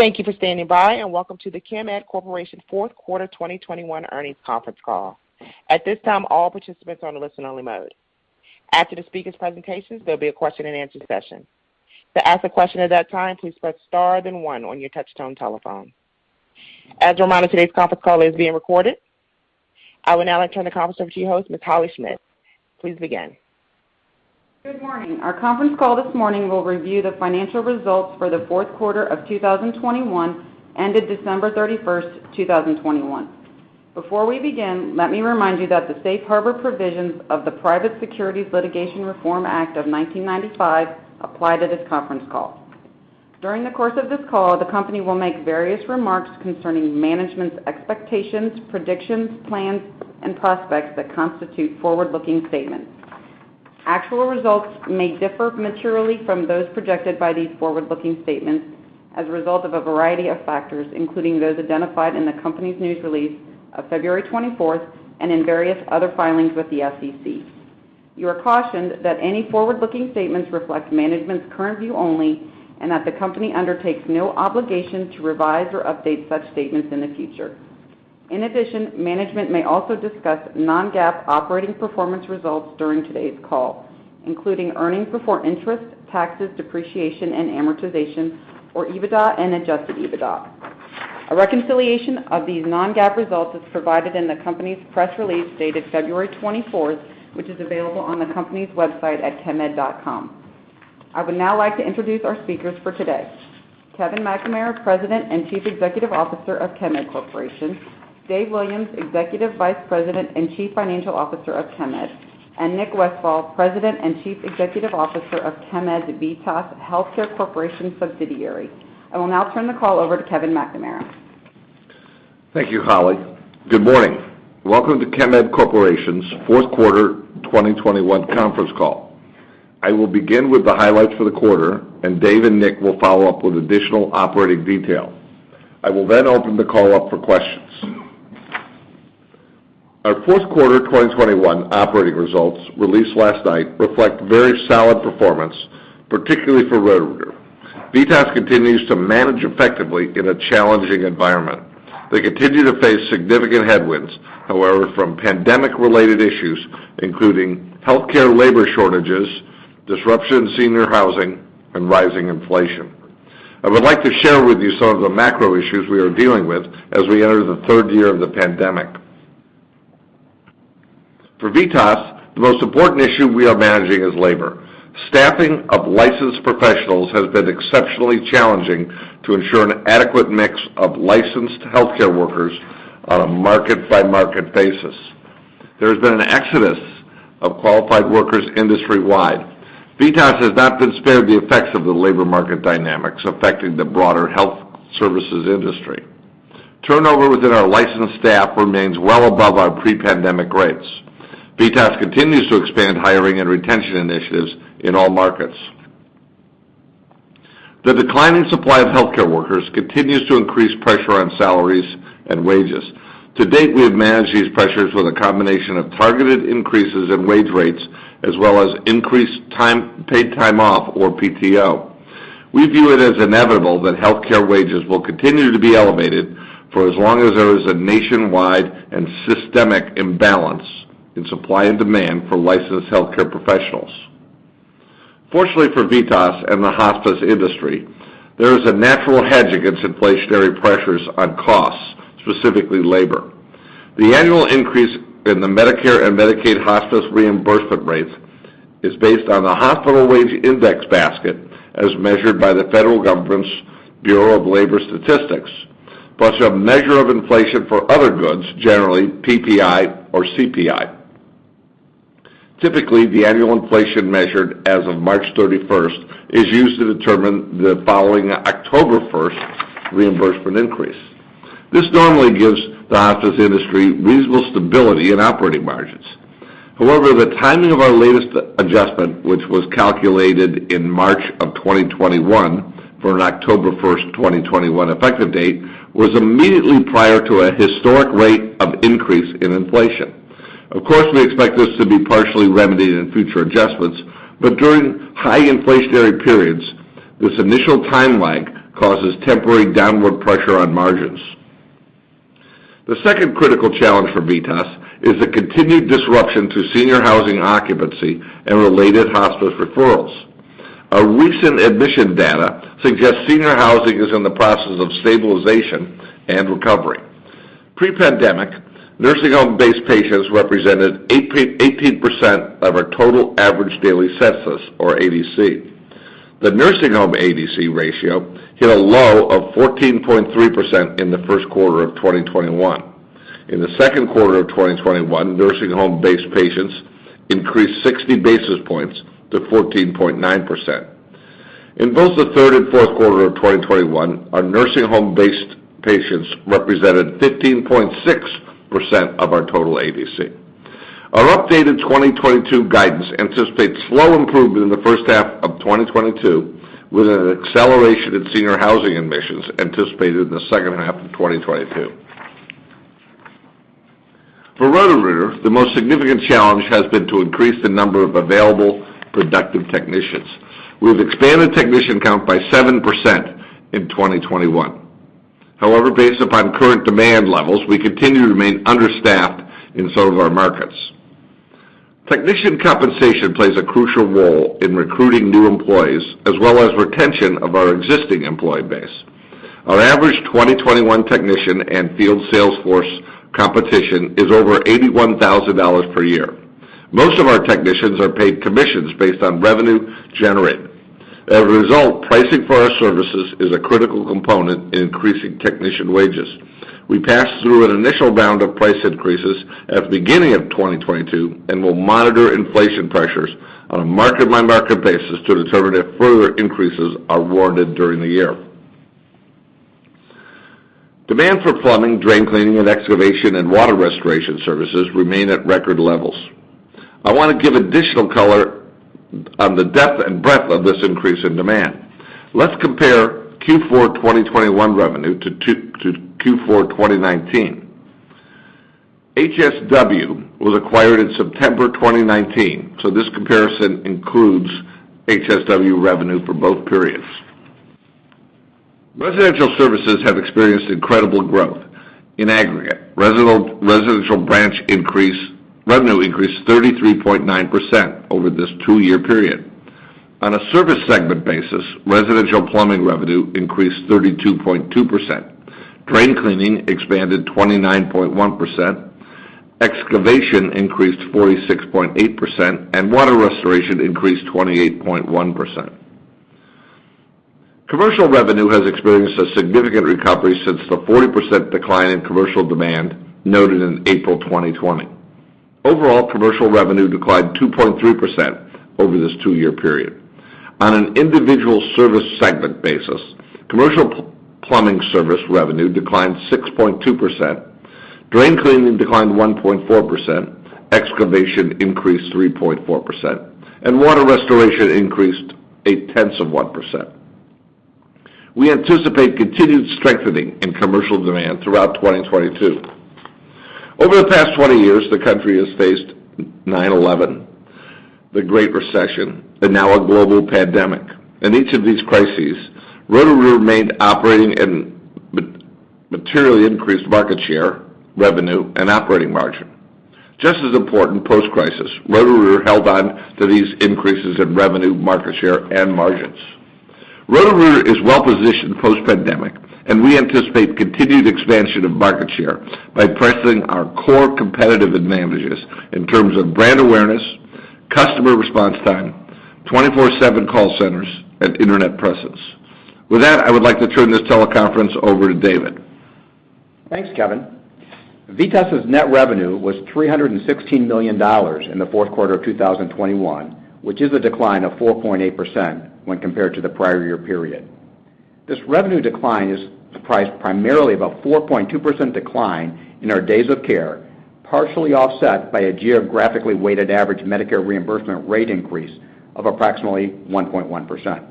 Thank you for standing by, and welcome to the Chemed Corporation Fourth Quarter 2021 Earnings Conference Call. At this time, all participants are on a listen-only mode. After the speakers' presentations, there'll be a question-and-answer session. To ask a question at that time, please press star then one on your touchtone telephone. As a reminder, today's conference call is being recorded. I will now turn the conference over to your host, Ms. Holley Schmidt. Please begin. Good morning. Our conference call this morning will review the financial results for the 4th quarter of 2021 ended December 31st, 2021. Before we begin, let me remind you that the safe harbor provisions of the Private Securities Litigation Reform Act of 1995 apply to this conference call. During the course of this call, the company will make various remarks concerning management's expectations, predictions, plans, and prospects that constitute forward-looking statements. Actual results may differ materially from those projected by these forward-looking statements as a result of a variety of factors, including those identified in the company's news release of February 24th and in various other filings with the SEC. You are cautioned that any forward-looking statements reflect management's current view only and that the company undertakes no obligation to revise or update such statements in the future. In addition, management may also discuss non-GAAP operating performance results during today's call, including earnings before interest, taxes, depreciation, and amortization, or EBITDA and adjusted EBITDA. A reconciliation of these non-GAAP results is provided in the company's press release dated February twenty-fourth, which is available on the company's website at chemed.com. I would now like to introduce our speakers for today, Kevin McNamara, President and Chief Executive Officer of Chemed Corporation, Dave Williams, Executive Vice President and Chief Financial Officer of Chemed, and Nick Westfall, President and Chief Executive Officer of Chemed's VITAS Healthcare Corporation subsidiary. I will now turn the call over to Kevin McNamara. Thank you, Holley. Good morning. Welcome to Chemed Corporation's 4th quarter 2021 conference call. I will begin with the highlights for the quarter, and Dave and Nick will follow up with additional operating detail. I will then open the call up for questions. Our 4th quarter of 2021 operating results released last night reflect very solid performance, particularly for Roto-Rooter. VITAS continues to manage effectively in a challenging environment. They continue to face significant headwinds, however, from pandemic-related issues, including healthcare labor shortages, disruption in senior housing, and rising inflation. I would like to share with you some of the macro issues we are dealing with as we enter the 3rd year of the pandemic. For VITAS, the most important issue we are managing is labor. Staffing of licensed professionals has been exceptionally challenging to ensure an adequate mix of licensed healthcare workers on a market-by-market basis. There has been an exodus of qualified workers industry-wide. VITAS has not been spared the effects of the labor market dynamics affecting the broader health services industry. Turnover within our licensed staff remains well above our pre-pandemic rates. VITAS continues to expand hiring and retention initiatives in all markets. The declining supply of healthcare workers continues to increase pressure on salaries and wages. To date, we have managed these pressures with a combination of targeted increases in wage rates as well as increased paid time off, or PTO. We view it as inevitable that healthcare wages will continue to be elevated for as long as there is a nationwide and systemic imbalance in supply and demand for licensed healthcare professionals. Fortunately for VITAS and the hospice industry, there is a natural hedge against inflationary pressures on costs, specifically labor. The annual increase in the Medicare and Medicaid hospice reimbursement rate is based on the hospital wage index basket as measured by the federal government's Bureau of Labor Statistics, plus a measure of inflation for other goods, generally PPI or CPI. Typically, the annual inflation measured as of March 31st is used to determine the following October 1st reimbursement increase. This normally gives the hospice industry reasonable stability in operating margins. However, the timing of our latest adjustment, which was calculated in March 2021 for an October 1st, 2021 effective date, was immediately prior to a historic rate of increase in inflation. Of course, we expect this to be partially remedied in future adjustments, but during high inflationary periods, this initial time lag causes temporary downward pressure on margins. The second critical challenge for VITAS is the continued disruption to senior housing occupancy and related hospice referrals. Our recent admission data suggests senior housing is in the process of stabilization and recovery. Pre-pandemic, nursing home-based patients represented 18% of our total average daily census or ADC. The nursing home ADC ratio hit a low of 14.3% in the first quarter of 2021. In the second quarter of 2021, nursing home-based patients increased 60 basis points to 14.9%. In both the third and fourth quarter of 2021, our nursing home-based patients represented 15.6% of our total ADC. Our updated 2022 guidance anticipates slow improvement in the first half of 2022, with an acceleration in senior housing admissions anticipated in the second half of 2022. The most significant challenge has been to increase the number of available productive technicians. We've expanded technician count by 7% in 2021. However, based upon current demand levels, we continue to remain understaffed in some of our markets. Technician compensation plays a crucial role in recruiting new employees as well as retention of our existing employee base. Our average 2021 technician and field sales force compensation is over $81,000 per year. Most of our technicians are paid commissions based on revenue generated. As a result, pricing for our services is a critical component in increasing technician wages. We passed through an initial round of price increases at the beginning of 2022 and will monitor inflation pressures on a market by market basis to determine if further increases are warranted during the year. Demand for plumbing, drain cleaning and excavation and water restoration services remain at record levels. I wanna give additional color on the depth and breadth of this increase in demand. Let's compare Q4 2021 revenue to Q4 2019. HSW was acquired in September 2019, so this comparison includes HSW revenue for both periods. Residential services have experienced incredible growth. In aggregate, residential branch revenue increased 33.9% over this two-year period. On a service segment basis, residential plumbing revenue increased 32.2%. Drain cleaning expanded 29.1%. Excavation increased 46.8%, and water restoration increased 28.1%. Commercial revenue has experienced a significant recovery since the 40% decline in commercial demand noted in April 2020. Overall, commercial revenue declined 2.3% over this two-year period. On an individual service segment basis, commercial plumbing service revenue declined 6.2%. Drain cleaning declined 1.4%. Excavation increased 3.4%, and water restoration increased 0.1%. We anticipate continued strengthening in commercial demand throughout 2022. Over the past 20 years, the country has faced 9/11, the Great Recession, and now a global pandemic. In each of these crises, Roto-Rooter remained operating and materially increased market share, revenue, and operating margin. Just as important, post-crisis, Roto-Rooter held on to these increases in revenue, market share, and margins. Roto-Rooter is well-positioned post-pandemic, and we anticipate continued expansion of market share by pressing our core competitive advantages in terms of brand awareness, customer response time, 24/7 call centers, and internet presence. With that, I would like to turn this teleconference over to David. Thanks Kevin. VITAS's net revenue was $316 million in the fourth quarter of 2021, which is a decline of 4.8% when compared to the prior year period. This revenue decline was driven primarily by 4.2% decline in our days of care, partially offset by a geographically weighted average Medicare reimbursement rate increase of approximately 1.1%.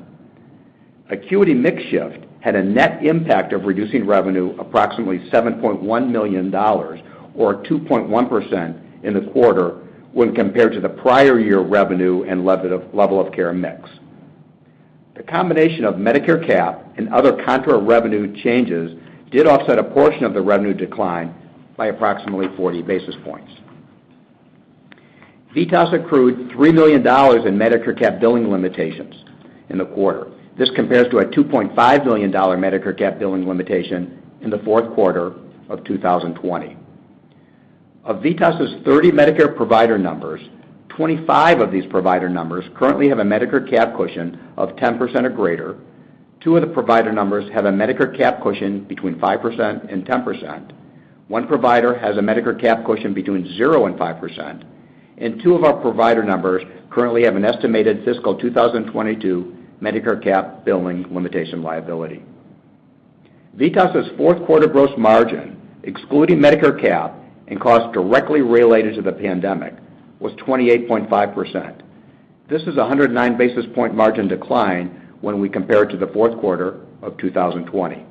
Acuity mix shift had a net impact of reducing revenue approximately $7.1 million or 2.1% in the quarter when compared to the prior year revenue and level of care mix. The combination of Medicare cap and other contra revenue changes did offset a portion of the revenue decline by approximately 40 basis points. VITAS accrued $3 million in Medicare cap billing limitations in the quarter. This compares to a $2.5 million Medicare cap billing limitation in the fourth quarter of 2020. Of VITAS's 30 Medicare provider numbers, 25 of these provider numbers currently have a Medicare cap cushion of 10% or greater. Two of the provider numbers have a Medicare cap cushion between 5%-10%. One provider has a Medicare cap cushion between 0%-5%, and two of our provider numbers currently have an estimated fiscal 2022 Medicare cap billing limitation liability. VITAS's fourth quarter gross margin, excluding Medicare cap and costs directly related to the pandemic, was 28.5%. This is a 109 basis point margin decline when we compare it to the fourth quarter of 2020.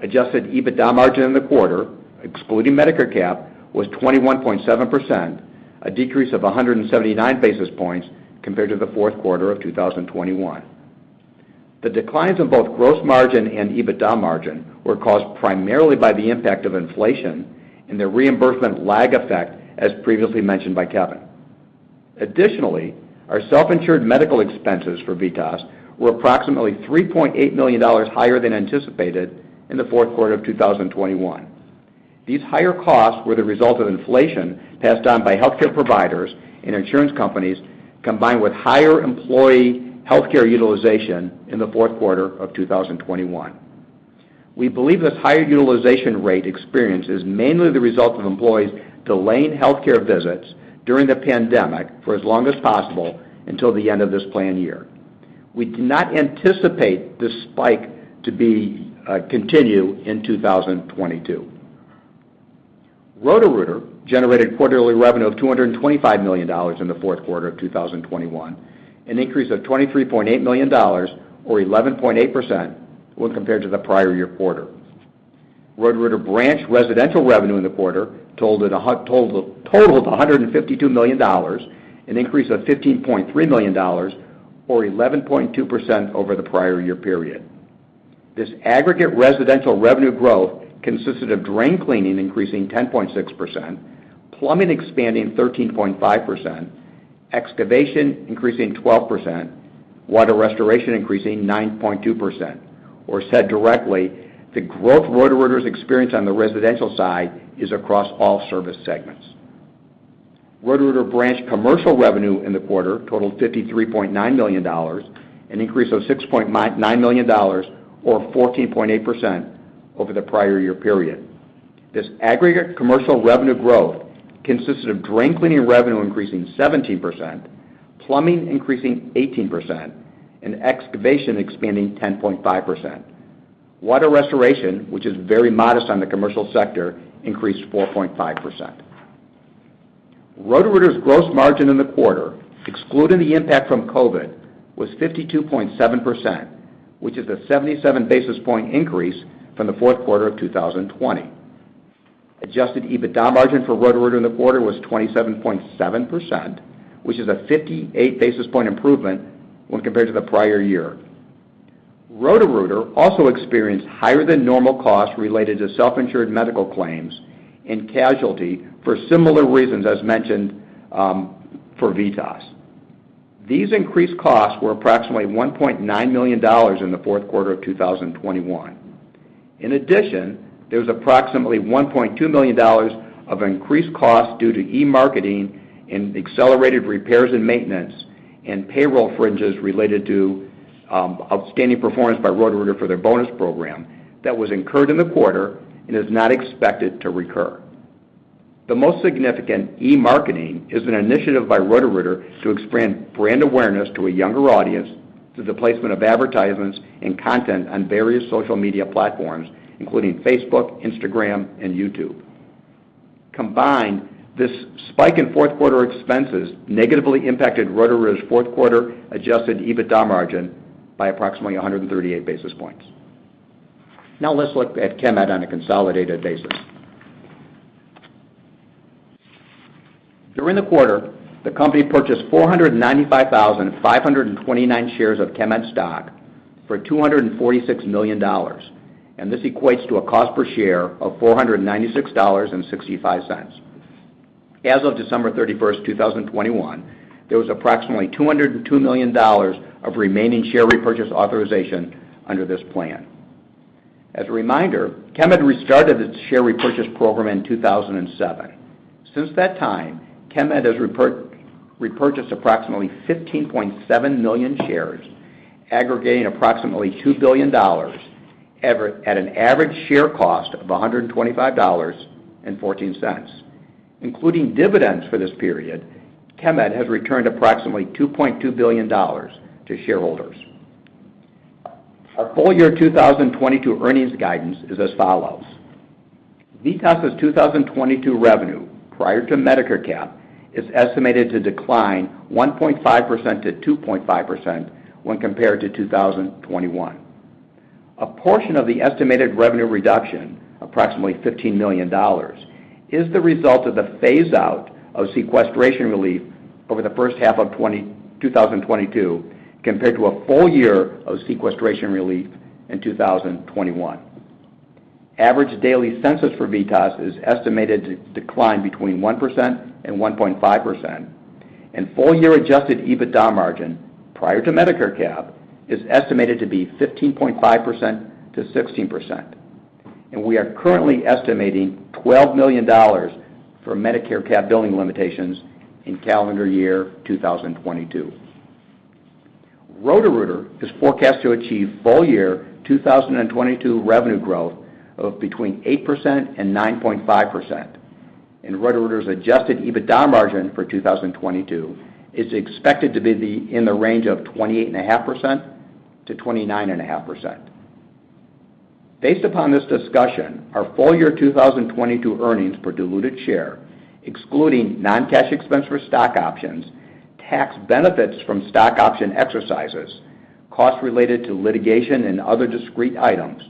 Adjusted EBITDA margin in the quarter, excluding Medicare cap, was 21.7%, a decrease of 179 basis points compared to the fourth quarter of 2021. The declines in both gross margin and EBITDA margin were caused primarily by the impact of inflation and the reimbursement lag effect, as previously mentioned by Kevin. Additionally, our self-insured medical expenses for VITAS were approximately $3.8 million higher than anticipated in the fourth quarter of 2021. These higher costs were the result of inflation passed on by healthcare providers and insurance companies, combined with higher employee healthcare utilization in the fourth quarter of 2021. We believe this higher utilization rate experience is mainly the result of employees delaying healthcare visits during the pandemic for as long as possible until the end of this plan year. We do not anticipate this spike to continue in 2022. Roto-Rooter generated quarterly revenue of $225 million in the fourth quarter of 2021, an increase of $23.8 million or 11.8% when compared to the prior year quarter. Roto-Rooter branch residential revenue in the quarter totaled $152 million, an increase of $15.3 million or 11.2% over the prior year period. This aggregate residential revenue growth consisted of drain cleaning increasing 10.6%, plumbing expanding 13.5%, excavation increasing 12%, water restoration increasing 9.2%. Or said directly, the growth Roto-Rooter's experienced on the residential side is across all service segments. Roto-Rooter branch commercial revenue in the quarter totaled $53.9 million, an increase of $6.9 million or 14.8% over the prior year period. This aggregate commercial revenue growth consisted of drain cleaning revenue increasing 17%, plumbing increasing 18%, and excavation expanding 10.5%. Water restoration, which is very modest on the commercial sector, increased 4.5%. Roto-Rooter's gross margin in the quarter, excluding the impact from COVID was 52.7%, which is a 77 basis point increase from the fourth quarter of 2020. Adjusted EBITDA margin for Roto-Rooter in the quarter was 27.7%, which is a 58 basis point improvement when compared to the prior year. Roto-Rooter also experienced higher than normal costs related to self-insured medical claims and casualty for similar reasons as mentioned for VITAS. These increased costs were approximately $1.9 million in the fourth quarter of 2021. In addition, there was approximately $1.2 million of increased costs due to e-marketing and accelerated repairs and maintenance and payroll fringes related to outstanding performance by Roto-Rooter for their bonus program that was incurred in the quarter and is not expected to recur. The most significant e-marketing is an initiative by Roto-Rooter to expand brand awareness to a younger audience through the placement of advertisements and content on various social media platforms, including Facebook, Instagram, and YouTube. Combined, this spike in fourth quarter expenses negatively impacted Roto-Rooter's fourth quarter adjusted EBITDA margin by approximately 138 basis points. Now let's look at Chemed on a consolidated basis. During the quarter, the company purchased 495,529 shares of Chemed's stock for $246 million, and this equates to a cost per share of $496.65. As of December 31st, 2021, there was approximately $202 million of remaining share repurchase authorization under this plan. As a reminder, Chemed restarted its share repurchase program in 2007. Since that time, Chemed has repurchased approximately 15.7 million shares, aggregating approximately $2 billion at an average share cost of $125.14. Including dividends for this period, Chemed has returned approximately $2.2 billion to shareholders. Our full-year 2022 earnings guidance is as follows: VITAS's 2022 revenue, prior to Medicare cap, is estimated to decline 1.5%-2.5% when compared to 2021. A portion of the estimated revenue reduction, approximately $15 million, is the result of the phaseout of sequestration relief over the first half of 2022 compared to a full year of sequestration relief in 2021. Average daily census for VITAS is estimated to decline between 1% and 1.5%, and full-year adjusted EBITDA margin, prior to Medicare cap, is estimated to be 15.5%-16%. We are currently estimating $12 million for Medicare cap billing limitations in calendar year 2022. Roto-Rooter is forecast to achieve full year 2022 revenue growth of between 8% and 9.5%, and Roto-Rooter's adjusted EBITDA margin for 2022 is expected to be in the range of 28.5%-29.5%. Based upon this discussion, our full year 2022 earnings per diluted share, excluding non-cash expense for stock options, tax benefits from stock option exercises, costs related to litigation and other discrete items,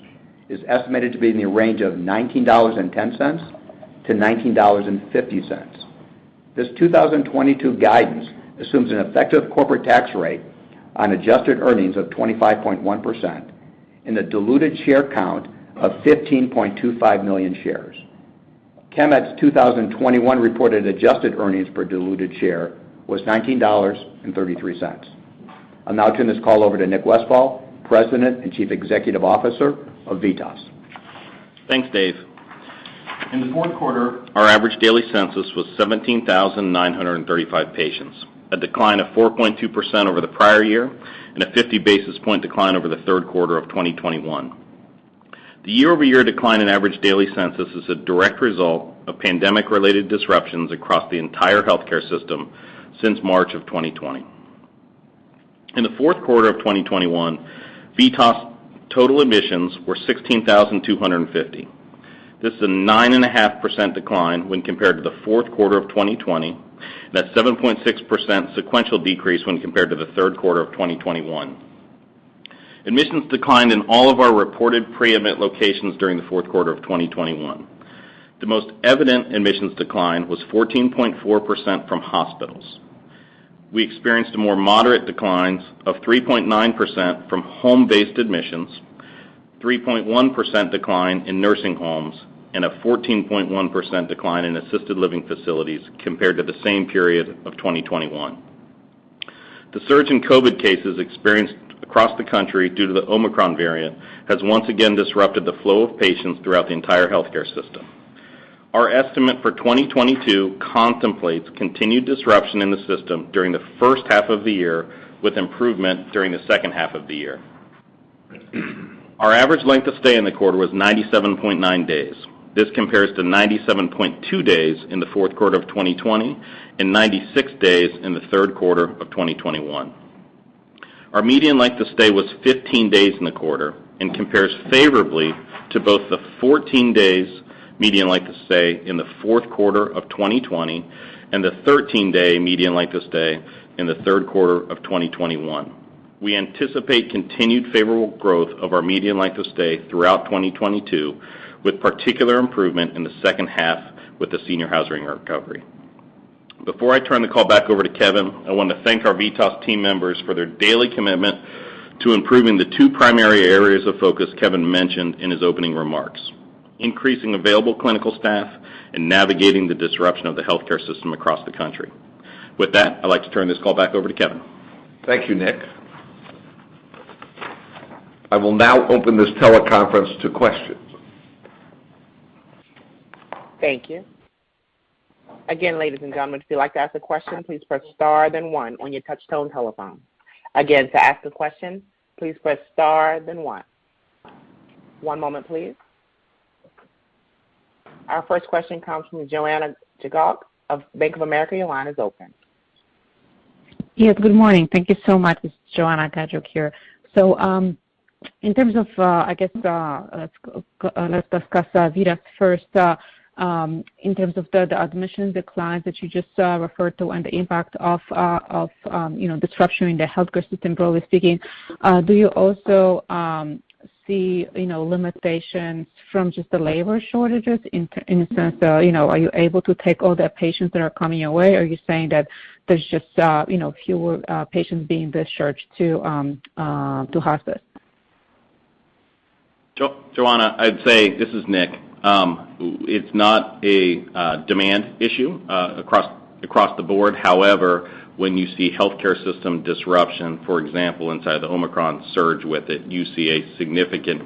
is estimated to be in the range of $19.10-$19.50. This 2022 guidance assumes an effective corporate tax rate on adjusted earnings of 25.1% and a diluted share count of 15.25 million shares. Chemed's 2021 reported adjusted earnings per diluted share was $19.33. I'll now turn this call over to Nick Westfall, President and Chief Executive Officer of VITAS. Thanks, Dave. In the fourth quarter, our average daily census was 17,935 patients, a decline of 4.2% over the prior year and a 50 basis point decline over the third quarter of 2021. The year-over-year decline in average daily census is a direct result of pandemic-related disruptions across the entire healthcare system since March of 2020. In the fourth quarter of 2021, VITAS total admissions were 16,250. This is a 9.5% decline when compared to the fourth quarter of 2020, and a 7.6% sequential decrease when compared to the third quarter of 2021. Admissions declined in all of our reported pre-admit locations during the fourth quarter of 2021. The most evident admissions decline was 14.4% from hospitals. We experienced more moderate declines of 3.9% from home-based admissions, 3.1% decline in nursing homes, and a 14.1% decline in assisted living facilities compared to the same period of 2021. The surge in COVID cases experienced across the country due to the Omicron variant has once again disrupted the flow of patients throughout the entire healthcare system. Our estimate for 2022 contemplates continued disruption in the system during the first half of the year, with improvement during the second half of the year. Our average length of stay in the quarter was 97.9 days. This compares to 97.2 days in the fourth quarter of 2020 and 96 days in the third quarter of 2021. Our median length of stay was 15 days in the quarter and compares favorably to both the 14 days median length of stay in the fourth quarter of 2020 and the 13-day median length of stay in the third quarter of 2021. We anticipate continued favorable growth of our median length of stay throughout 2022, with particular improvement in the second half with the senior housing recovery. Before I turn the call back over to Kevin, I want to thank our VITAS team members for their daily commitment to improving the two primary areas of focus Kevin mentioned in his opening remarks, increasing available clinical staff and navigating the disruption of the healthcare system across the country. With that, I'd like to turn this call back over to Kevin. Thank you, Nick. I will now open this teleconference to questions. Thank you. Again, ladies and gentlemen, if you'd like to ask a question, please press star then one on your touchtone telephone. Again, to ask a question, please press star then one. One moment please. Our first question comes from Joanna Gajuk of Bank of America. Your line is open. Yes, good morning. Thank you so much. This is Joanna Gajuk here. In terms of, I guess, let's discuss VITAS first. In terms of the admission decline that you just referred to and the impact of you know, disruption in the healthcare system, broadly speaking, do you also see you know, limitations from just the labor shortages in a sense that you know, are you able to take all the patients that are coming your way, or are you saying that there's just you know, fewer patients being discharged to hospitals? Joanna, I'd say this is Nick. It's not a demand issue across the board. However, when you see healthcare system disruption, for example, inside the Omicron surge with it, you see a significant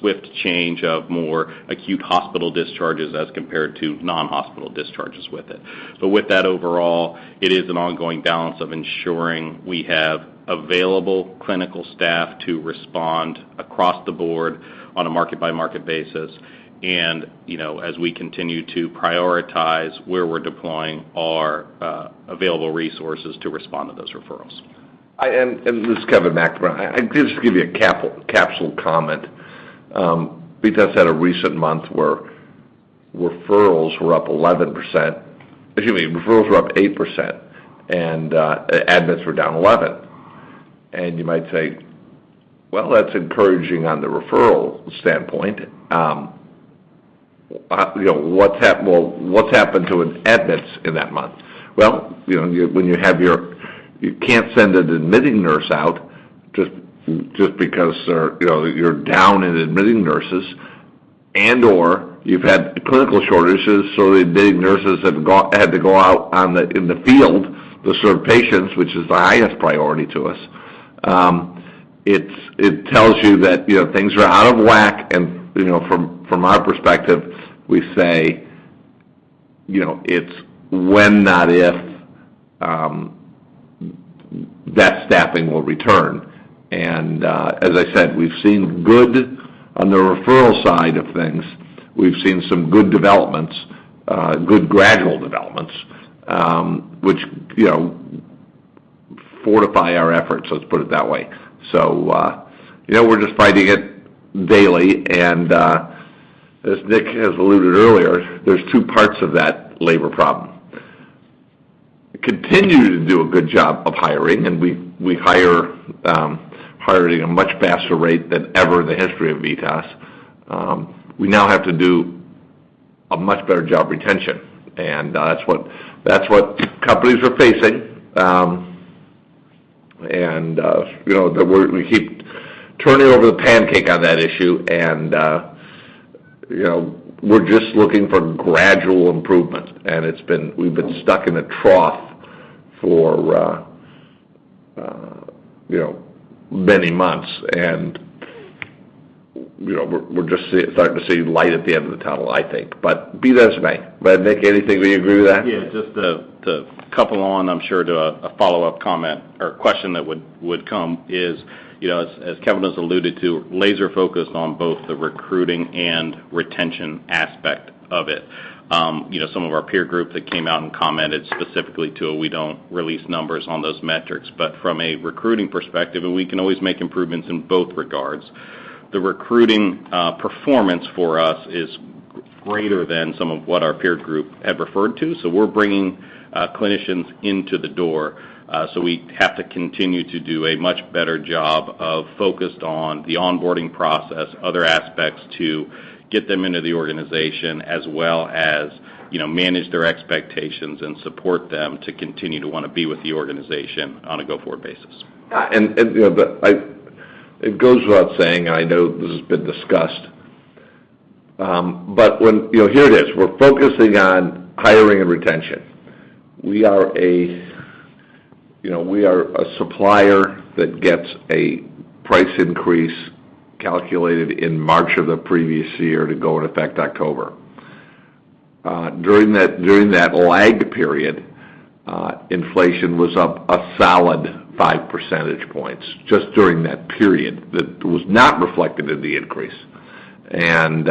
swift change of more acute hospital discharges as compared to non-hospital discharges with it. With that overall, it is an ongoing balance of ensuring we have available clinical staff to respond across the board on a market-by-market basis and, you know, as we continue to prioritize where we're deploying our available resources to respond to those referrals. This is Kevin McNamara. I just give you a capsule comment. VITAS had a recent month where referrals were up 11%. Excuse me, referrals were up 8% and admits were down 11%. You might say, "Well, that's encouraging on the referral standpoint. You know, what's happened to admits in that month?" Well, you know, you can't send an admitting nurse out just because there, you know, you're down in admitting nurses and/or you've had clinical shortages, so the admitting nurses have had to go out in the field to serve patients, which is the highest priority to us. It tells you that, you know, things are out of whack and, you know, from our perspective, we say, you know, it's when, not if, that staffing will return. As I said, we've seen good on the referral side of things, we've seen some good developments, good gradual developments, which, you know, fortify our efforts, let's put it that way. You know, we're just fighting it daily, and as Nick has alluded earlier, there's two parts of that labor problem. We continue to do a good job of hiring, and we're hiring at a much faster rate than ever in the history of Vitas. We now have to do a much better job of retention, and that's what companies are facing. You know, we keep turning over the pancake on that issue and, you know, we're just looking for gradual improvement. We've been stuck in a trough for, you know, many months. You know, we're just starting to see light at the end of the tunnel, I think. Be that as it may, Nick, anything we agree with that? Yeah, just to couple on, I'm sure to a follow-up comment or question that would come, you know, as Kevin has alluded to laser focused on both the recruiting and retention aspect of it. You know, some of our peer group that came out and commented specifically to it, we don't release numbers on those metrics. From a recruiting perspective, and we can always make improvements in both regards, the recruiting performance for us is greater than some of what our peer group have referred to. We're bringing clinicians into the door, so we have to continue to do a much better job of focused on the onboarding process, other aspects to get them into the organization as well as, you know, manage their expectations and support them to continue to wanna be with the organization on a go-forward basis. You know, but it goes without saying, I know this has been discussed. You know, here it is. We're focusing on hiring and retention. We are, you know, a supplier that gets a price increase calculated in March of the previous year to go into effect in October. During that lag period, inflation was up a solid 5 percentage points just during that period that was not reflected in the increase. In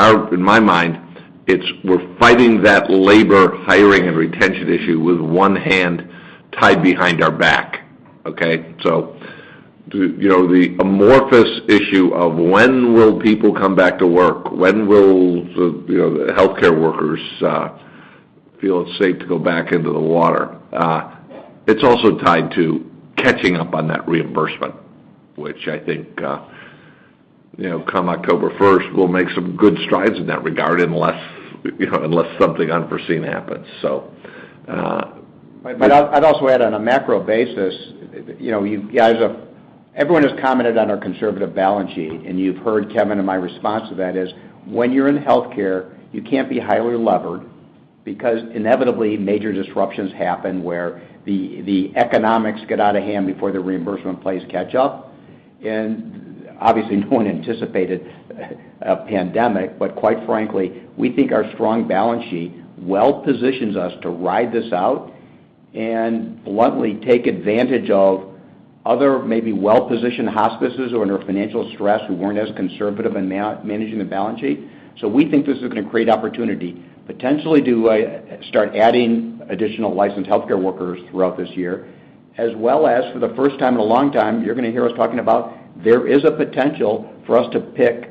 my mind, it's like we're fighting that labor hiring and retention issue with one hand tied behind our back, okay? You know, the amorphous issue of when will people come back to work? When will the, you know, healthcare workers feel it's safe to go back into the water? It's also tied to catching up on that reimbursement, which I think, you know, come October 1st, we'll make some good strides in that regard unless, you know, something unforeseen happens. I'd also add on a macro basis, you know, you guys have, everyone has commented on our conservative balance sheet, and you've heard Kevin and my response to that is, when you're in healthcare, you can't be highly levered because inevitably major disruptions happen where the economics get out of hand before the reimbursement plays catch up. Obviously, no one anticipated a pandemic, but quite frankly, we think our strong balance sheet well positions us to ride this out and bluntly take advantage of other maybe well-positioned hospices who are under financial stress, who weren't as conservative in managing the balance sheet. We think this is gonna create opportunity, potentially to start adding additional licensed healthcare workers throughout this year, as well as for the first time in a long time, you're gonna hear us talking about there is a potential for us to pick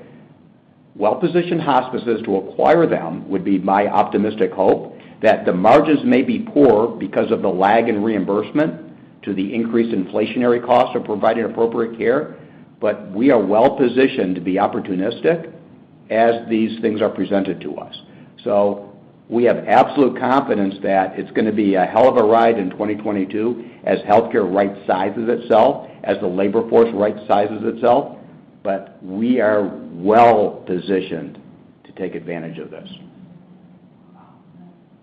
well-positioned hospices to acquire them, would be my optimistic hope, that the margins may be poor because of the lag in reimbursement to the increased inflationary cost of providing appropriate care, but we are well-positioned to be opportunistic as these things are presented to us. We have absolute confidence that it's gonna be a hell of a ride in 2022 as healthcare rightsizes itself, as the labor force rightsizes itself, but we are well-positioned to take advantage of this.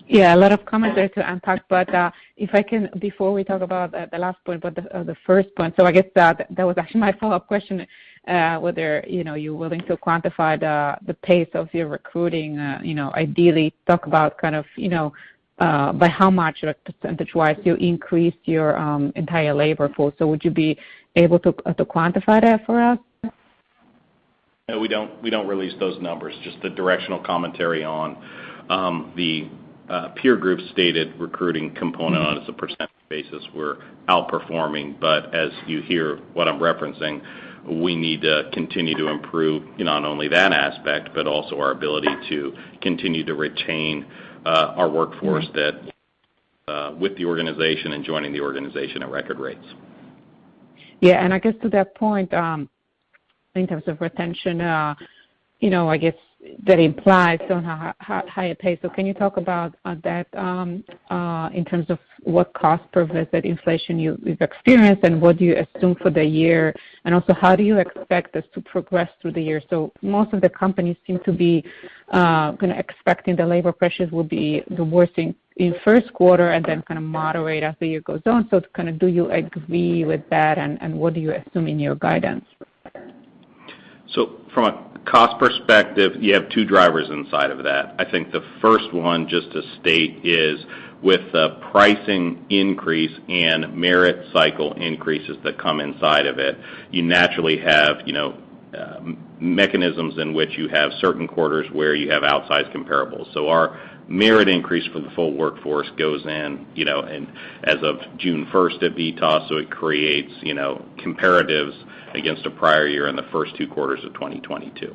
Yeah, a lot of comments there to unpack, but if I can, before we talk about the first point. I guess that was actually my follow-up question, whether you know, you're willing to quantify the pace of your recruiting, you know, ideally talk about kind of, you know, by how much or percentage-wise you increased your entire labor force. Would you be able to quantify that for us? No, we don't release those numbers, just the directional commentary on the peer group stated recruiting component on it as a percentage basis we're outperforming. As you hear what I'm referencing, we need to continue to improve not only that aspect, but also our ability to continue to retain our workforce that with the organization and joining the organization at record rates. Yeah, and I guess to that point in terms of retention, I guess that implies on a higher pace. Can you talk about that, in terms of what cost per visit inflation you've experienced, and what do you assume for the year? Also, how do you expect this to progress through the year? Most of the companies seem to be kinda expecting the labor pressures will be the worst in first quarter and then kinda moderate as the year goes on. It's kinda, do you agree with that, and what do you assume in your guidance? From a cost perspective, you have two drivers inside of that. I think the first one, just to state, is with the pricing increase and merit cycle increases that come inside of it, you naturally have, you know, mechanisms in which you have certain quarters where you have outsized comparables. Our merit increase for the full workforce goes in, you know, in as of June first at VITAS, so it creates, you know, comparatives against a prior year in the first two quarters of 2022.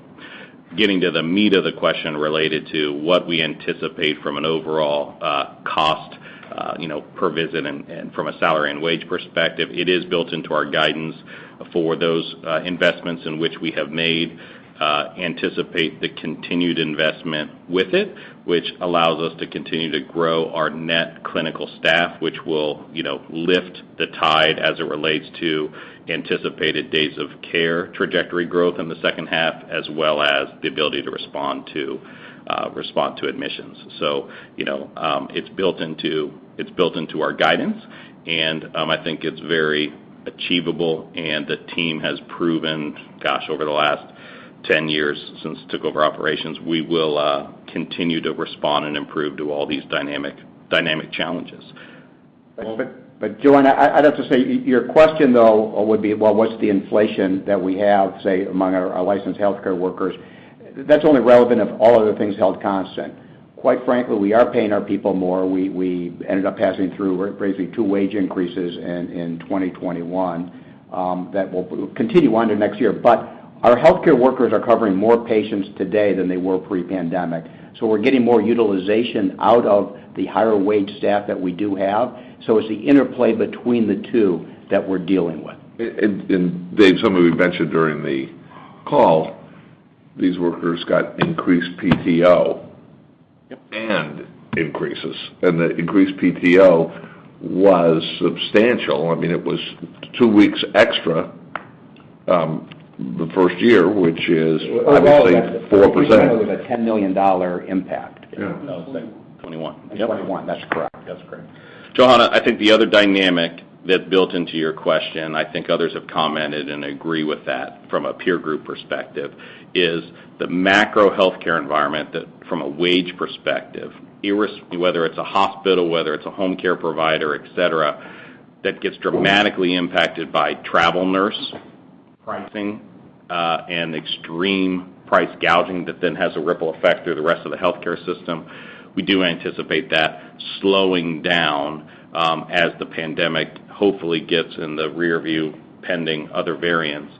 Getting to the meat of the question related to what we anticipate from an overall cost, you know, per visit and from a salary and wage perspective, it is built into our guidance for those investments in which we have made, anticipate the continued investment with it, which allows us to continue to grow our net clinical staff, which will, you know, lift the tide as it relates to anticipated days of care trajectory growth in the second half, as well as the ability to respond to admissions. So, you know, it's built into our guidance, and I think it's very achievable. The team has proven, gosh, over the last 10 years since I took over operations, we will continue to respond and improve to all these dynamic challenges. Joanna, I'd have to say your question though, well, would be what's the inflation that we have say among our licensed healthcare workers. That's only relevant if all other things held constant. Quite frankly, we are paying our people more. We ended up passing through or raising two wage increases in 2021 that will continue on to next year. Our healthcare workers are covering more patients today than they were pre-pandemic. We're getting more utilization out of the higher wage staff that we do have. It's the interplay between the two that we're dealing with. Dave somebody we mentioned during the call, these workers got increased PTO. Yep. And increases. The increased PTO was substantial. I mean it was two weeks extra, the first year, which is obviously 4%. It was a $10 million impact. Yeah. That was in 2021. 2021. That's correct. That's correct. Joanna, I think the other dynamic that built into your question, I think others have commented and agree with that from a peer group perspective, is the macro healthcare environment that from a wage perspective, whether it's a hospital, whether it's a home care provider, etc., that gets dramatically impacted by travel nurse pricing and extreme price gouging that then has a ripple effect through the rest of the healthcare system. We do anticipate that slowing down as the pandemic hopefully gets in the rear view pending other variants.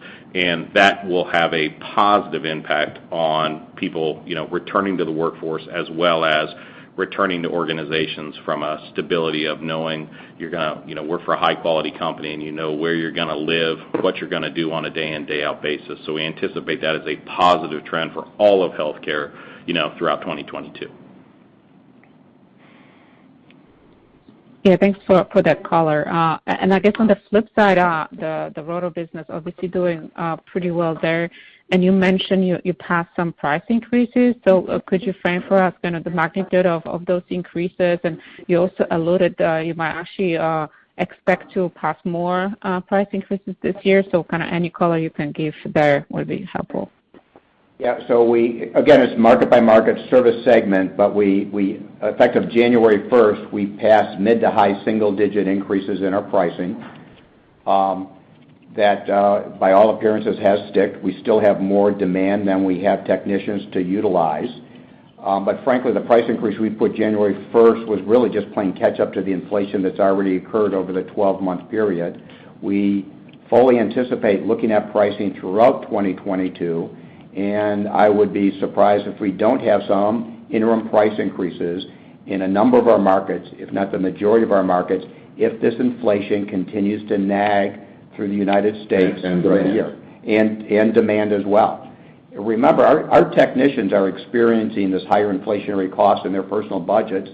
That will have a positive impact on people, you know, returning to the workforce as well as returning to organizations from a stability of knowing you're gonna, you know, work for a high quality company and you know where you're gonna live, what you're gonna do on a day in, day out basis. We anticipate that as a positive trend for all of healthcare, you know, throughout 2022. Yeah, thanks for that color. I guess on the flip side, the Roto business obviously doing pretty well there. You mentioned you passed some price increases. Could you frame for us kind of the magnitude of those increases? You also alluded that you might actually expect to pass more price increases this year. Kind of any color you can give there would be helpful. Yeah. Again, it's market by market service segment, but we effective January 1st, we passed mid- to high single-digit increases in our pricing that by all appearances has stuck. We still have more demand than we have technicians to utilize. Frankly, the price increase we put January 1st was really just playing catch up to the inflation that's already occurred over the 12 month period. We fully anticipate looking at pricing throughout 2022, and I would be surprised if we don't have some interim price increases in a number of our markets, if not the majority of our markets, if this inflation continues to nag through the United States through the year. And in demand as well. Remember, our technicians are experiencing this higher inflationary cost in their personal budgets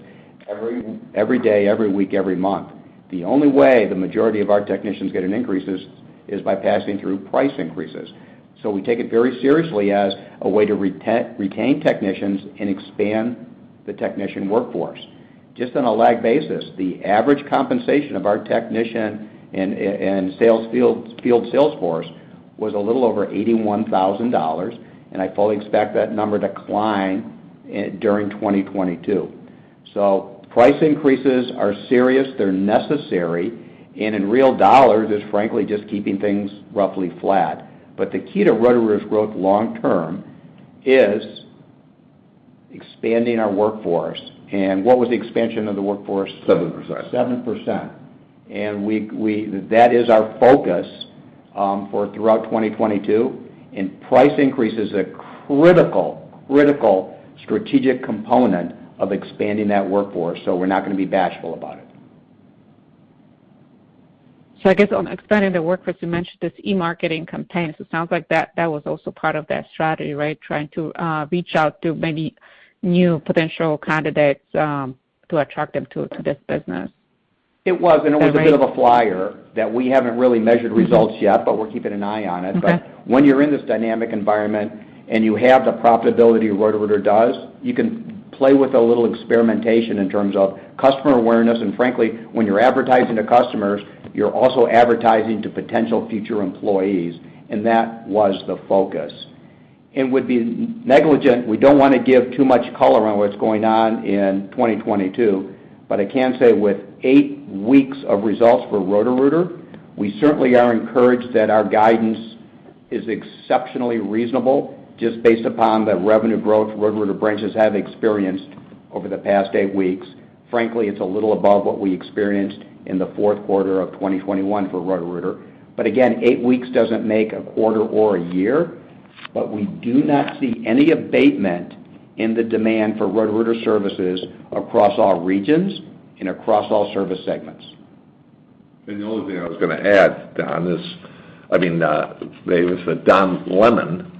every day, every week, every month. The only way the majority of our technicians get an increase is by passing through price increases. We take it very seriously as a way to retain technicians and expand the technician workforce. Just on a lag basis, the average compensation of our technician and field sales force was a little over $81,000, and I fully expect that number to climb during 2022. Price increases are serious, they're necessary, and in real dollars is frankly just keeping things roughly flat. The key to Roto-Rooter's growth long term is expanding our workforce. What was the expansion of the workforce? 7%. 7%. We that is our focus for throughout 2022. Price increase is a critical strategic component of expanding that workforce, so we're not gonna be bashful about it. I guess on expanding the workforce, you mentioned this e-marketing campaign. It sounds like that was also part of that strategy, right? Trying to reach out to many new potential candidates to attract them to this business. It was, and it was a bit of a flyer that we haven't really measured results yet, but we're keeping an eye on it. Okay. When you're in this dynamic environment and you have the profitability Roto-Rooter does, you can play with a little experimentation in terms of customer awareness. Frankly, when you're advertising to customers, you're also advertising to potential future employees, and that was the focus. It would be negligent. We don't wanna give too much color on what's going on in 2022, but I can say with eight weeks of results for Roto-Rooter, we certainly are encouraged that our guidance is exceptionally reasonable just based upon the revenue growth Roto-Rooter branches have experienced over the past eight weeks. Frankly, it's a little above what we experienced in the fourth quarter of 2021 for Roto-Rooter. Again, eight weeks doesn't make a quarter or a year. We do not see any abatement in the demand for Roto-Rooter services across all regions and across all service segments. The only thing I was gonna add, Don, is, I mean, Dave, is that Don Lemon,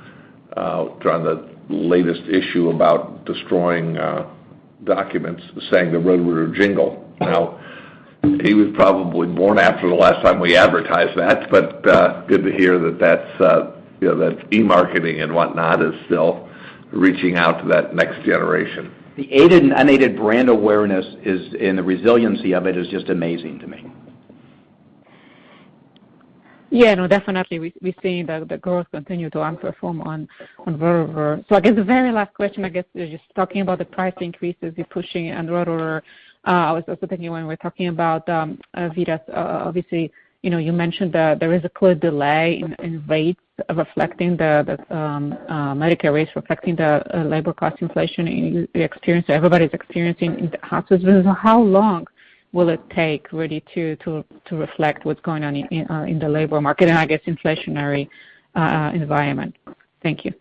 on the latest issue about destroying documents sang the Roto-Rooter jingle. Now, he was probably born after the last time we advertised that, but good to hear that that's, you know, that e-marketing and whatnot is still reaching out to that next generation. The aided and unaided brand awareness is, and the resiliency of it is just amazing to me. Yeah, no, definitely we're seeing the growth continue to outperform on Roto-Rooter. I guess the very last question, I guess, is just talking about the price increases you're pushing and Roto-Rooter. I was also thinking when we're talking about VITAS, obviously, you know, you mentioned that there is a clear delay in rates reflecting the Medicare rates reflecting the labor cost inflation you experience everybody's experiencing in the hospitals. How long will it take really to reflect what's going on in the labor market and I guess inflationary environment? Thank you.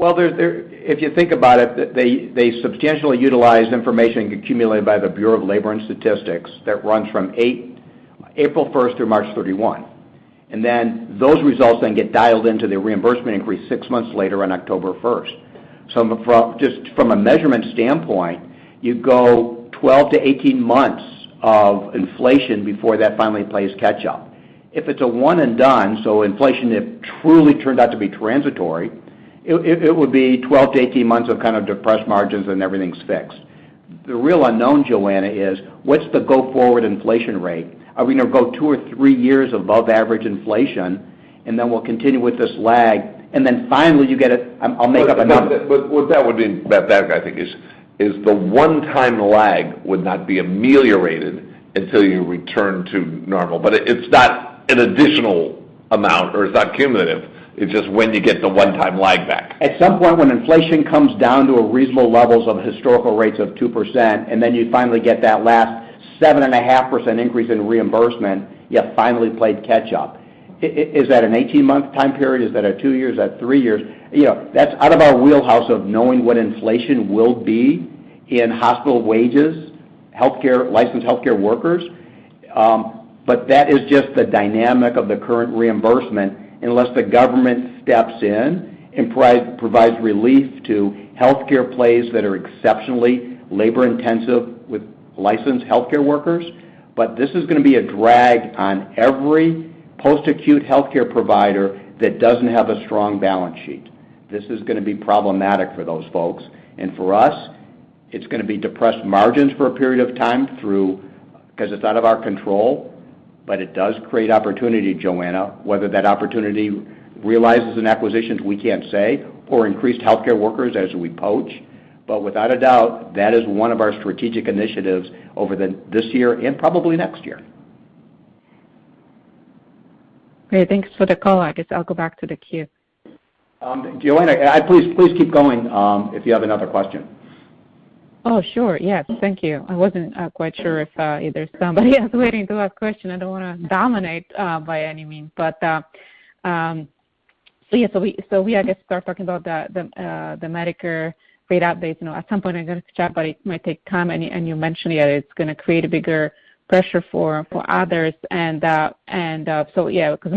Well, if you think about it, they substantially utilize information accumulated by the Bureau of Labor Statistics that runs from April 1st through March 31. Those results get dialed into the reimbursement increase six months later on October 1st. Just from a measurement standpoint, you go 12-18 months of inflation before that finally plays catch-up. If it's a one and done, so inflation it truly turned out to be transitory, it would be 12-18 months of kind of depressed margins and everything's fixed. The real unknown, Joanna, is what's the go-forward inflation rate? Are we gonna go 2 or 3 years above average inflation, and then we'll continue with this lag, and then finally you get a, I'll make up a number. What that would mean, that I think is the one-time lag would not be ameliorated until you return to normal. It's not an additional amount or it's not cumulative. It's just when you get the one-time lag back. At some point, when inflation comes down to a reasonable levels of historical rates of 2%, and then you finally get that last 7.5% increase in reimbursement, you have finally played catch-up. Is that an 18-month time period? Is that 2 years? Is that 3 years? You know, that's out of our wheelhouse of knowing what inflation will be in hospital wages, healthcare licensed healthcare workers. that is just the dynamic of the current reimbursement, unless the government steps in and provides relief to healthcare players that are exceptionally labor-intensive with licensed healthcare workers. This is gonna be a drag on every post-acute healthcare provider that doesn't have a strong balance sheet. This is gonna be problematic for those folks. For us, it's gonna be depressed margins for a period of time because it's out of our control, but it does create opportunity, Joanna. Whether that opportunity realizes in acquisitions, we can't say, or increased healthcare workers as we poach. Without a doubt, that is one of our strategic initiatives over this year and probably next year. Okay, thanks for the call. I guess I'll go back to the queue. Joanna, please keep going if you have another question. Oh, sure, yes. Thank you. I wasn't quite sure if there's somebody else waiting to ask question. I don't wanna dominate by any means. Yeah, we start talking about the Medicare rate updates. You know, at some point, I'm gonna catch up, but it might take time. You mentioned, yeah, it's gonna create a bigger pressure for others, and so yeah, 'cause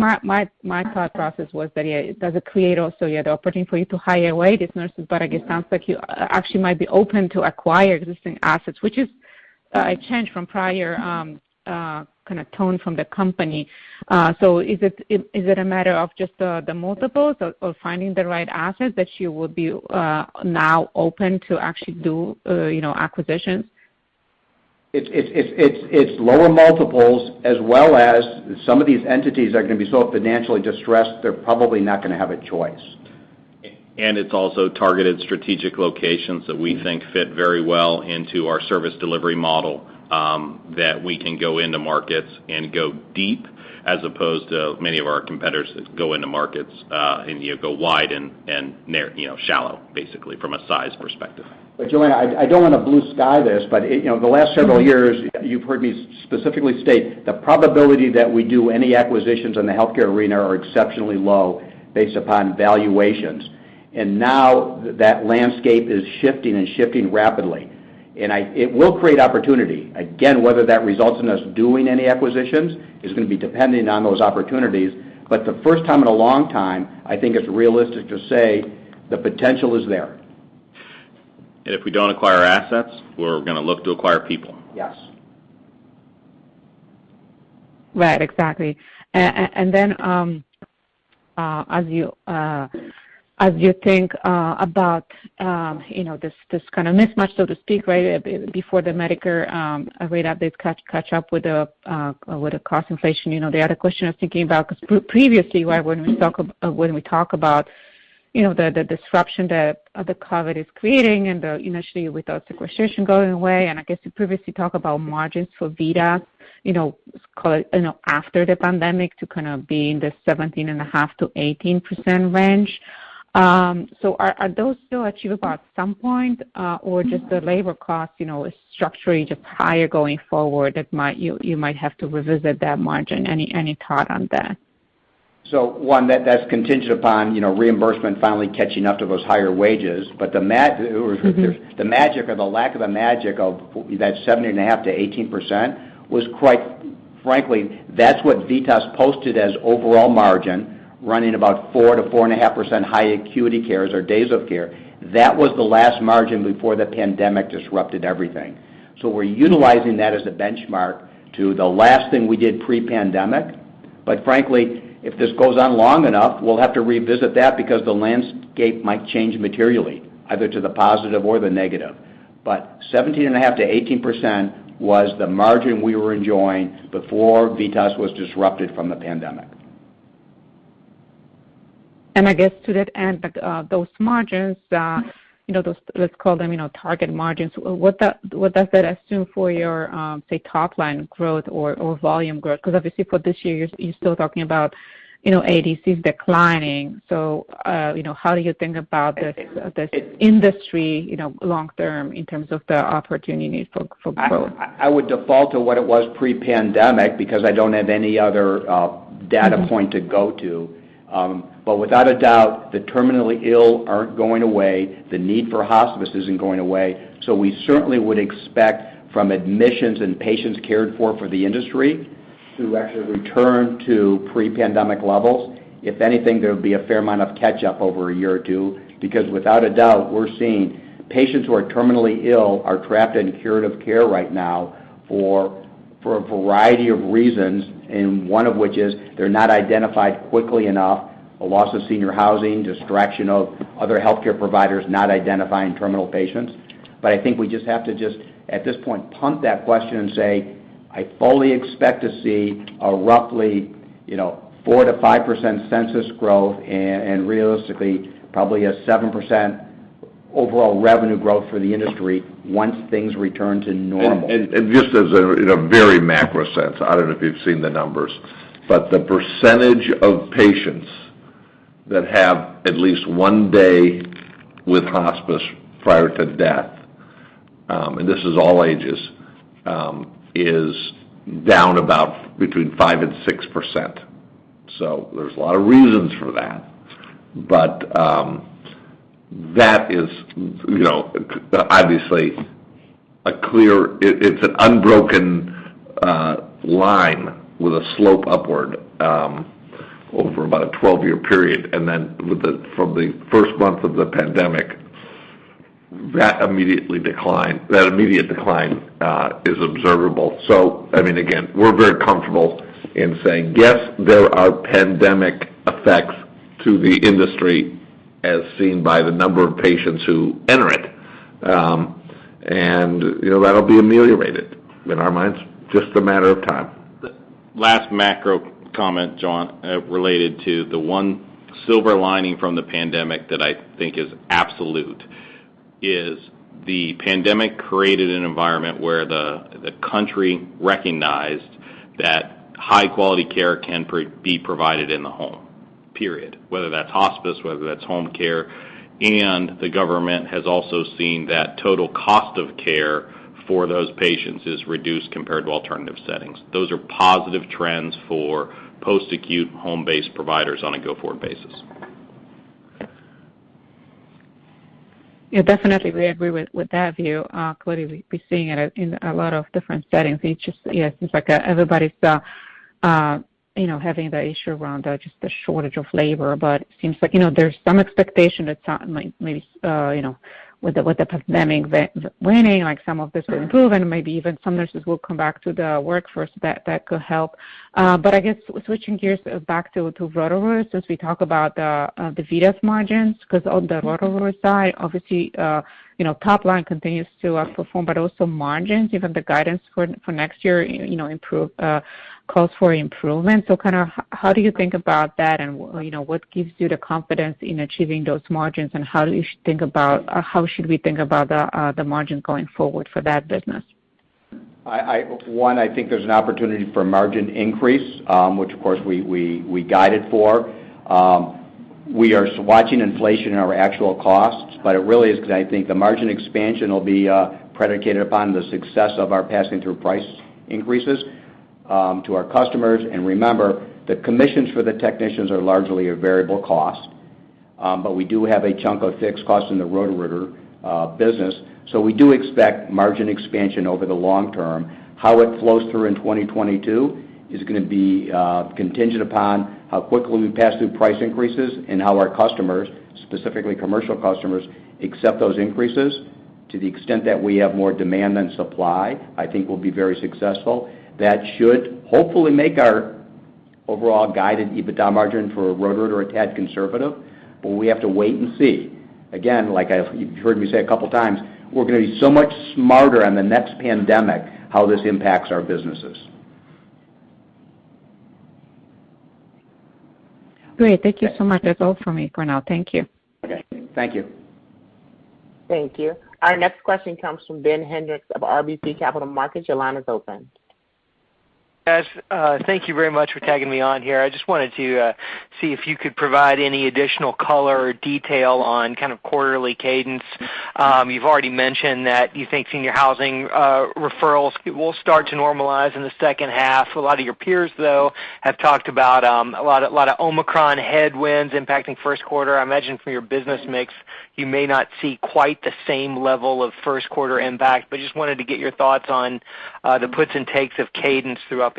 my thought process was that, yeah, does it create also the opportunity for you to hire away these nurses? I guess sounds like you actually might be open to acquire existing assets, which is a change from prior kind of tone from the company. Is it a matter of just the multiples or finding the right assets that you would be now open to actually do you know acquisitions? It's lower multiples as well as some of these entities are gonna be so financially distressed, they're probably not gonna have a choice. It's also targeted strategic locations that we think fit very well into our service delivery model, that we can go into markets and go deep as opposed to many of our competitors that go into markets, and, you know, go wide and they're, you know, shallow, basically from a size perspective. Joanna, I don't wanna blue sky this, but, you know, the last several years you've heard me specifically state the probability that we do any acquisitions in the healthcare arena are exceptionally low based upon valuations. Now that landscape is shifting and shifting rapidly. It will create opportunity. Again, whether that results in us doing any acquisitions is gonna be dependent on those opportunities. The first time in a long time, I think it's realistic to say the potential is there. If we don't acquire assets, we're gonna look to acquire people. Yes. Right. Exactly. Then, as you think about, you know, this kind of mismatch, so to speak, right, before the Medicare rate updates catch up with the cost inflation, you know, the other question I was thinking about, 'cause previously, right, when we talk about, you know, the disruption that the COVID is creating and then initially without sequestration going away, and I guess you previously talk about margins for VITAS, you know, after the pandemic to kind of be in the 17.5%-18% range. Are those still achievable at some point, or just the labor cost, you know, is structurally just higher going forward that you might have to revisit that margin. Any thought on that? One, that's contingent upon, you know, reimbursement finally catching up to those higher wages. The magic or the lack of the magic of that 17.5%-18% was quite frankly, that's what VITAS posted as overall margin running about 4%-4.5% high acuity cares or days of care. That was the last margin before the pandemic disrupted everything. We're utilizing that as a benchmark to the last thing we did pre-pandemic. Frankly, if this goes on long enough, we'll have to revisit that because the landscape might change materially either to the positive or the negative. 17.5%-18% was the margin we were enjoying before VITAS was disrupted from the pandemic. I guess to that end, like, those margins, you know, those let's call them, you know, target margins. What does that assume for your, say, top line growth or volume growth? Because obviously for this year, you're still talking about, you know, ADCs declining. You know, how do you think about this industry, you know, long term in terms of the opportunities for growth? I would default to what it was pre-pandemic because I don't have any other data point to go to. Without a doubt, the terminally ill aren't going away, the need for hospice isn't going away. We certainly would expect from admissions and patients cared for for the industry to actually return to pre-pandemic levels. If anything, there would be a fair amount of catch up over a year or two, because without a doubt, we're seeing patients who are terminally ill are trapped in curative care right now for a variety of reasons, and one of which is they're not identified quickly enough, a loss of senior housing, distraction of other healthcare providers not identifying terminal patients. I think we just have to, at this point, punt that question and say, I fully expect to see a roughly, you know, 4%-5% census growth and realistically, probably a 7% overall revenue growth for the industry once things return to normal. Just in a very macro sense, I don't know if you've seen the numbers, but the percentage of patients that have at least one day with hospice prior to death, and this is all ages, is down about 5%-6%. There's a lot of reasons for that. That is, you know, obviously it's an unbroken line with a slope upward, over about a 12-year period. From the first month of the pandemic, that immediately declined. That immediate decline is observable. I mean, again, we're very comfortable in saying, yes, there are pandemic effects to the industry as seen by the number of patients who enter it. You know, that'll be ameliorated in our minds, just a matter of time. Last macro comment, Joanna, related to the one silver lining from the pandemic that I think is absolute is the pandemic created an environment where the country recognized that high quality care can be provided in the home, period. Whether that's hospice, whether that's home care, and the government has also seen that total cost of care for those patients is reduced compared to alternative settings. Those are positive trends for post-acute home-based providers on a go-forward basis. Yeah, definitely we agree with that view. Clearly we've been seeing it in a lot of different settings. It's just, it seems like everybody's, you know, having the issue around just the shortage of labor. But it seems like, you know, there's some expectation that like maybe, you know, with the pandemic waning, like some of this will improve, and maybe even some nurses will come back to the workforce that could help. But I guess switching gears back to Roto-Rooter as we talk about the VITAS margins, because on the Roto-Rooter side, obviously, you know, top line continues to outperform, but also margins, even the guidance for next year, you know, calls for improvement. Kinda, how do you think about that and, you know, what gives you the confidence in achieving those margins, and how do you think about or how should we think about the margins going forward for that business? One, I think there's an opportunity for margin increase, which of course we guided for. We are watching inflation in our actual costs, but it really is because I think the margin expansion will be predicated upon the success of our passing through price increases to our customers. Remember, the commissions for the technicians are largely a variable cost, but we do have a chunk of fixed costs in the Roto-Rooter business. We do expect margin expansion over the long term. How it flows through in 2022 is gonna be contingent upon how quickly we pass through price increases and how our customers, specifically commercial customers, accept those increases. To the extent that we have more demand than supply, I think we'll be very successful. That should hopefully make our overall guided EBITDA margin for Roto-Rooter a tad conservative, but we have to wait and see. Again, like you've heard me say a couple times, we're gonna be so much smarter on the next pandemic, how this impacts our businesses. Great. Thank you so much. That's all for me for now. Thank you. Okay. Thank you. Thank you. Our next question comes from Ben Hendrix of RBC Capital Markets. Your line is open. Yes. Thank you very much for tagging me on here. I just wanted to see if you could provide any additional color or detail on kind of quarterly cadence. You've already mentioned that you think senior housing referrals will start to normalize in the second half. A lot of your peers, though, have talked about a lot of Omicron headwinds impacting first quarter. I imagine for your business mix, you may not see quite the same level of first quarter impact, but just wanted to get your thoughts on the puts and takes of cadence throughout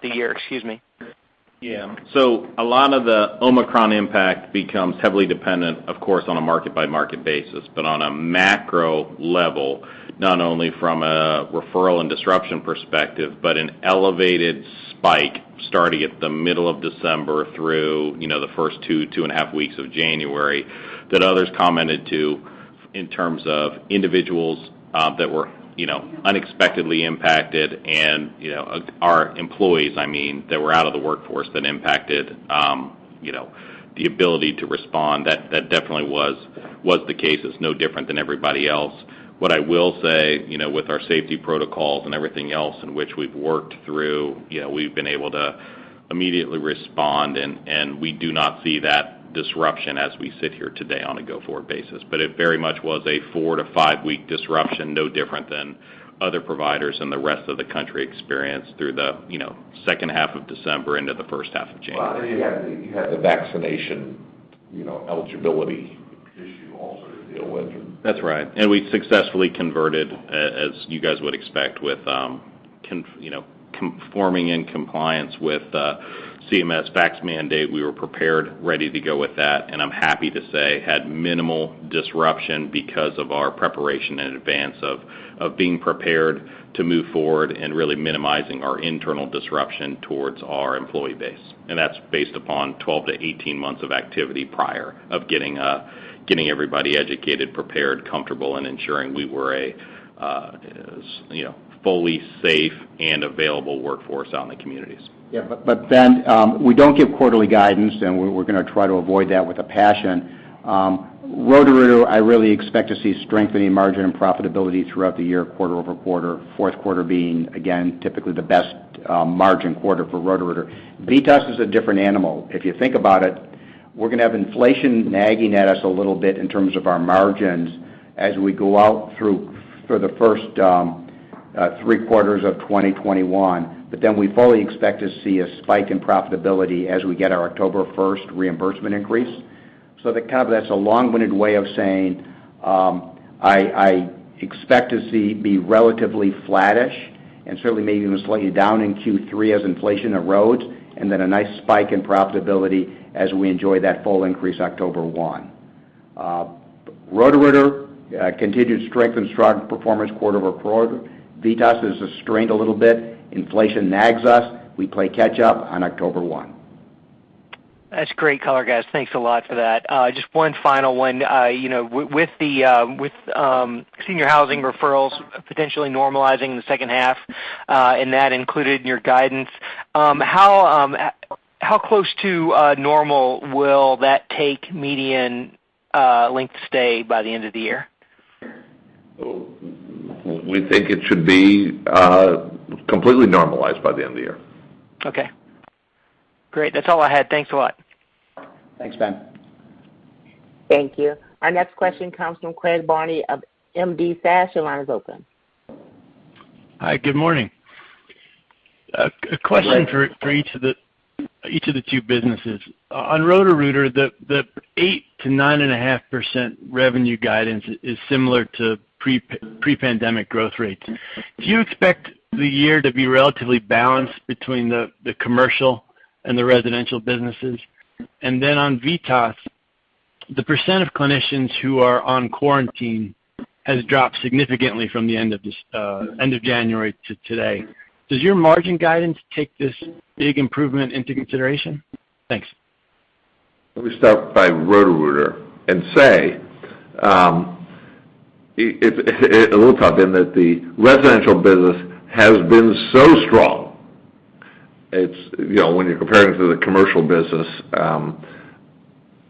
the year. Yeah. A lot of the Omicron impact becomes heavily dependent, of course, on a market-by-market basis, but on a macro level, not only from a referral and disruption perspective, but an elevated spike starting at the middle of December through, you know, the first 2-2.5 weeks of January that others commented on in terms of individuals that were, you know, unexpectedly impacted and, you know, our employees, I mean, that were out of the workforce that impacted, you know, the ability to respond. That definitely was the case. It's no different than everybody else. What I will say, you know, with our safety protocols and everything else in which we've worked through, you know, we've been able to immediately respond, and we do not see that disruption as we sit here today on a go-forward basis. It very much was a 4-5 week disruption, no different than other providers and the rest of the country experienced through the, you know, second half of December into the first half of January. Well, you had the vaccination, you know, eligibility issue also to deal with. That's right. We successfully converted, as you guys would expect with, you know, conforming in compliance with, CMS vax mandate. We were prepared, ready to go with that, and I'm happy to say had minimal disruption because of our preparation in advance of being prepared to move forward and really minimizing our internal disruption towards our employee base. That's based upon 12-18 months of activity prior to getting everybody educated, prepared, comfortable, and ensuring we were a, you know, fully safe and available workforce out in the communities. Yeah, Ben, we don't give quarterly guidance, and we're gonna try to avoid that with a passion. Roto-Rooter, I really expect to see strengthening margin and profitability throughout the year quarter-over-quarter, fourth quarter being, again, typically the best margin quarter for Roto-Rooter. VITAS is a different animal. If you think about it, we're gonna have inflation nagging at us a little bit in terms of our margins as we go out through the first 3 quarters of 2021. Then we fully expect to see a spike in profitability as we get our October 1st reimbursement increase. That's a long-winded way of saying I expect to see it be relatively flattish and certainly maybe even slightly down in Q3 as inflation erodes, and then a nice spike in profitability as we enjoy that full increase October 1. Roto-Rooter continued strength and strong performance quarter-over-quarter. VITAS is restrained a little bit. Inflation nags us. We play catch up on October 1. That's great color, guys. Thanks a lot for that. Just one final one. You know, with the senior housing referrals potentially normalizing in the second half, and that included in your guidance, how close to normal will that take median length stay by the end of the year? We think it should be completely normalized by the end of the year. Okay, great. That's all I had. Thanks a lot. Thanks, Ben. Thank you. Our next question comes from Craig Barney of M.D. Sass. Your line is open. Hi, good morning. A question. Good morning. For each of the two businesses. On Roto-Rooter, the 8%-9.5% revenue guidance is similar to pre-pandemic growth rates. Do you expect the year to be relatively balanced between the commercial and the residential businesses? On VITAS, the percent of clinicians who are on quarantine has dropped significantly from the end of January to today. Does your margin guidance take this big improvement into consideration? Thanks. Let me start by Roto-Rooter and say, it's a little tough in that the residential business has been so strong. It's you know, when you're comparing it to the commercial business,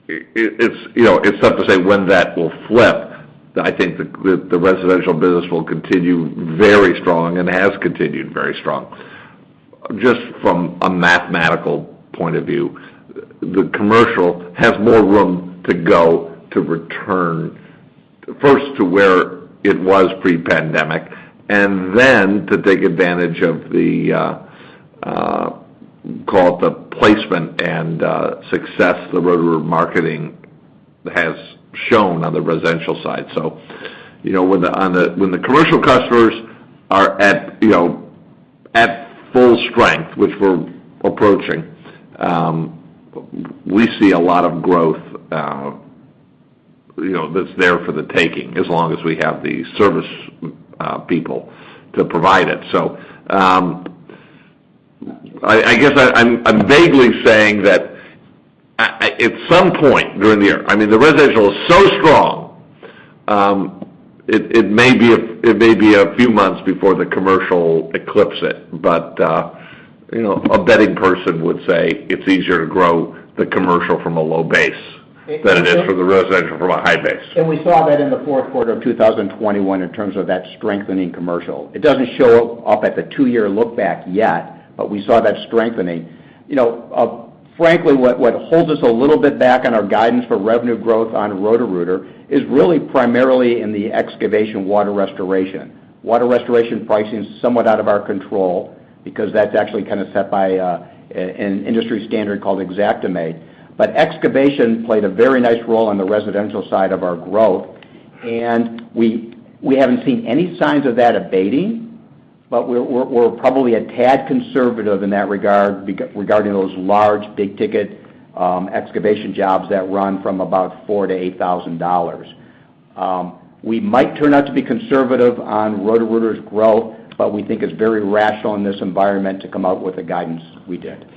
it's you know, it's tough to say when that will flip. I think the residential business will continue very strong and has continued very strong. Just from a mathematical point of view, the commercial has more room to go to return, first to where it was pre-pandemic, and then to take advantage of call it the placement and success the Roto-Rooter marketing has shown on the residential side. You know, when the commercial customers are at, you know, at full strength, which we're approaching, we see a lot of growth, you know, that's there for the taking as long as we have the service people to provide it. I guess I'm vaguely saying that at some point during the year. I mean, the residential is so strong, it may be a few months before the commercial eclipse it. You know, a betting person would say it's easier to grow the commercial from a low base than it is for the residential from a high base. We saw that in the fourth quarter of 2021 in terms of that strengthening commercial. It doesn't show up at the 2-year look back yet, but we saw that strengthening. You know, frankly, what holds us a little bit back on our guidance for revenue growth on Roto-Rooter is really primarily in the excavation water restoration. Water restoration pricing is somewhat out of our control because that's actually kind of set by an industry standard called Xactimate. But excavation played a very nice role on the residential side of our growth. We haven't seen any signs of that abating, but we're probably a tad conservative in that regard, regarding those large big ticket excavation jobs that run from about $4,000-$8,000. We might turn out to be conservative on Roto-Rooter's growth, but we think it's very rational in this environment to come out with the guidance we did.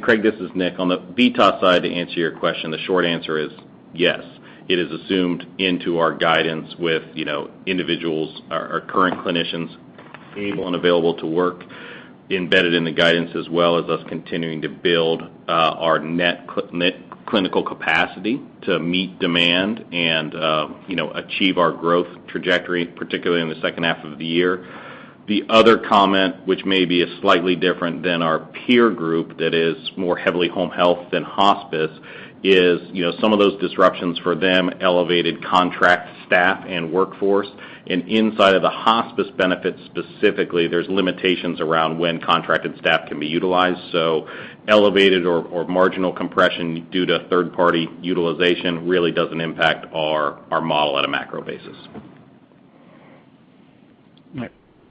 Craig, this is Nick. On the VITAS side, to answer your question, the short answer is yes. It is assumed into our guidance with, you know, individuals, our current clinicians able and available to work, embedded in the guidance as well as us continuing to build, our net clinical capacity to meet demand and, you know, achieve our growth trajectory, particularly in the second half of the year. The other comment, which may be a slightly different than our peer group that is more heavily home health than hospice, is, you know, some of those disruptions for them elevated contract staff and workforce. Inside of the hospice benefit specifically, there's limitations around when contracted staff can be utilized. Elevated or marginal compression due to third-party utilization really doesn't impact our model at a macro basis.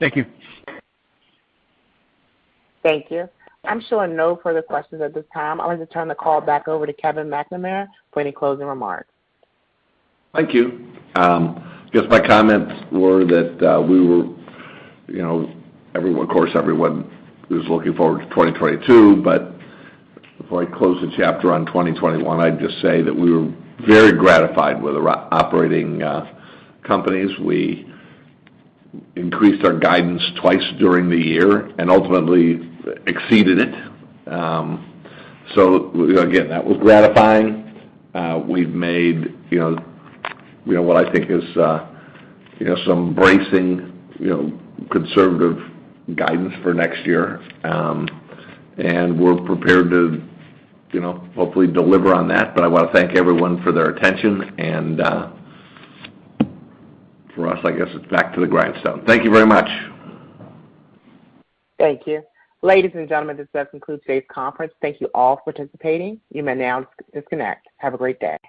All right. Thank you. Thank you. I'm showing no further questions at this time. I want to turn the call back over to Kevin McNamara for any closing remarks. Thank you. I guess my comments were that we were, you know, of course everyone is looking forward to 2022, but before I close the chapter on 2021, I'd just say that we were very gratified with our operating companies. We increased our guidance twice during the year and ultimately exceeded it. Again, that was gratifying. We've made, you know, what I think is, you know, some embracing, you know, conservative guidance for next year. We're prepared to, you know, hopefully deliver on that. I wanna thank everyone for their attention. For us, I guess it's back to the grindstone. Thank you very much. Thank you. Ladies and gentlemen, this does conclude today's conference. Thank you all for participating. You may now disconnect. Have a great day.